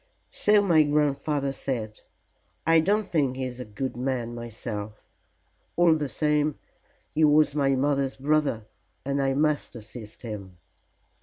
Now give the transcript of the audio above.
"So my grandfather said. I don't think he is a good man myself. All the same he was my mother's brother, and I must assist him."